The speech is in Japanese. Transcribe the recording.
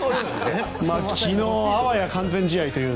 昨日あわや完全試合という。